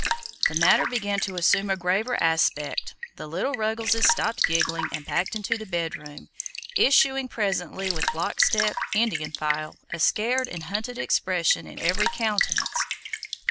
The matter began to assume a graver aspect; the little Ruggleses stopped giggling and backed into the bed room, issuing presently with lock step, Indian file, a scared and hunted expression in every countenance.